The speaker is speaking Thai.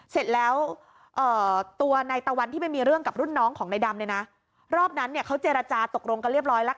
เสร็จแล้วตัวนายตะวันที่ไม่มีเรื่องกับรุ่นน้องของนายดำเนี่ยนะรอบนั้นเนี่ยเขาเจรจาตกลงกันเรียบร้อยแล้ว